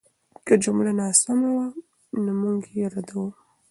که جمله ناسمه وه، نو موږ یې ردوو.